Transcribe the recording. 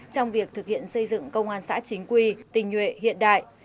trong việc thực hiện xây dựng công an xã chính quy tình nhuệ hiện đại